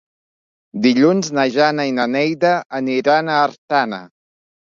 Dilluns na Jana i na Neida aniran a Artana.